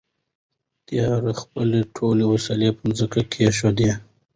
تیارې خپلې ټولې وسلې په ځمکه کېښودلې.